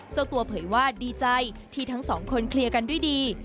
เจ้าตัวเผยว่าดีใจที่ทั้งสองคนเคลียร์กันด้วยดี